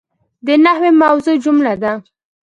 د نحوي موضوع جمله ده.